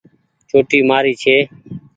چوٽي مآري ڇي۔